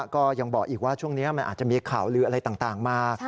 ก็ยังบอกอีกว่าช่วงนี้มันอาจจะมีข่าวลืออะไรต่างมา